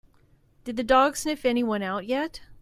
Did the dog sniff anyone out yet?